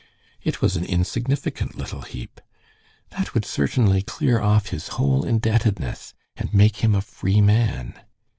It was an insignificant little heap. That would certainly clear off his whole indebtedness and make him a free man.